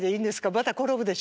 また転ぶでしょ。